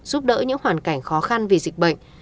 giúp đỡ những hoàn cảnh khó khăn vì dịch bệnh